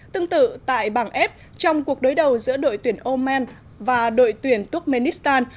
tương tự tại bảng f trong cuộc đối đầu giữa đội tuyển o man và đội tuyển turkmenistan